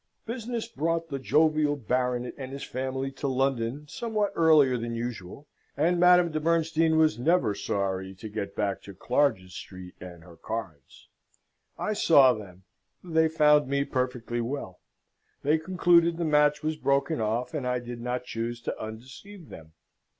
Business brought the jovial Baronet and his family to London somewhat earlier than usual, and Madame de Bernstein was never sorry to get back to Clarges Street and her cards. I saw them. They found me perfectly well. They concluded the match was broken off, and I did not choose to undeceive them.